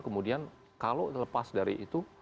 kemudian kalau lepas dari itu